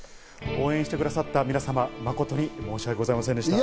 応援してくださった皆様、誠に申しわけございませんでした。